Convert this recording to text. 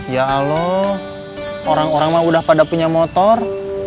ya allah orang orang mah udah pada punya motor